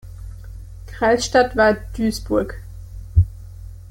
Kreisstadt war Duisburg.